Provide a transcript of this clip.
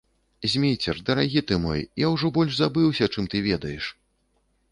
Зміцер, дарагі ты мой, я ўжо больш забыўся, чым ты ведаеш.